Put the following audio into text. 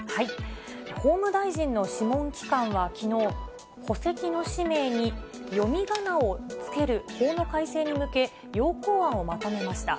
法務大臣の諮問機関はきのう、戸籍の氏名に、読みがなを付ける法の改正に向け、要綱案をまとめました。